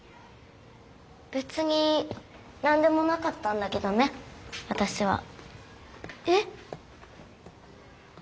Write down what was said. べつになんでもなかったんだけどねわたしは。えっ？